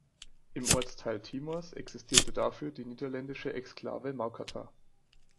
Im Ostteil Timors existierte dafür die niederländische Exklave Maucatar.